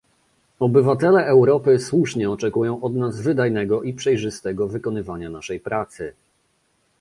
Obywatele Europy słusznie oczekują od nas wydajnego i przejrzystego wykonywania naszej pracy